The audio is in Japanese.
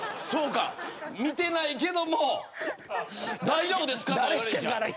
見ていないけども大丈夫ですかとか言われるから。